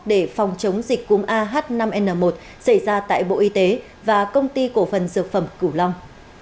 để phòng chống dịch cúm ah năm n một xảy ra tại bộ y tế và công ty cổ phần dược phẩm cửu long